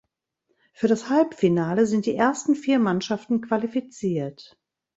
Für das Halbfinale sind die ersten vier Mannschaften qualifiziert.